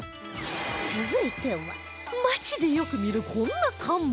続いては街でよく見るこんな看板